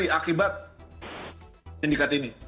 mencuri akibat sindikat ini